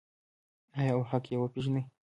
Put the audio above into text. آیا او حق یې وپیژني؟